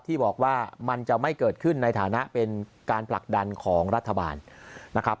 ที่บอกว่ามันจะไม่เกิดขึ้นในฐานะเป็นการผลักดันของรัฐบาลนะครับ